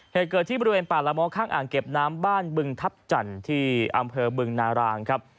เหตุเกิดที่บริเวณป่าละม้อข้างอ่างเก็บน้ำบ้านบึงทัพจันทร์ที่อำเภอบึงนารางครับ